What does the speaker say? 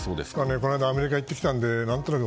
この間、アメリカに行ってきたので、なんとなく。